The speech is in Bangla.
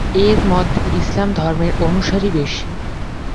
এর মধ্যে ইসলাম ধর্মের অনুসারী বেশি।